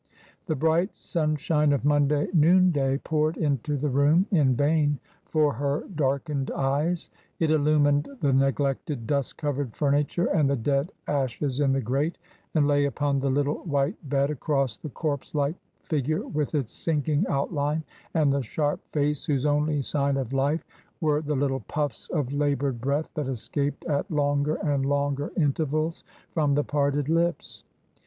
The bright sunshine of Monday noonday poured into the room in vain for her darkened eyes. It illumined the neglected, dust covered furniture and the dead ashes in the grate, and lay upon the little white bed across the corpse like figure with its sinking outline, and the sharp face whose only sign of life were the little puffs of TRANSITION. 309 laboured breath that escaped at longer and longer inter vals from the parted lips.